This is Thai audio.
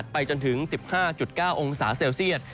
ไปจนถึง๑๕๙องศาเซลเซียต